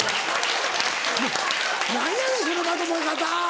何やねんそのまとめ方！